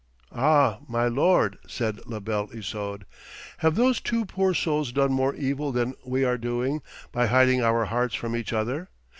'Ah, my lord,' said La Belle Isoude, 'have those two poor souls done more evil than we are doing by hiding our hearts from each other?